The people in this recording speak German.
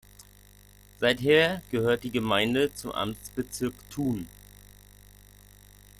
Seither gehört die Gemeinde zum Amtsbezirk Thun.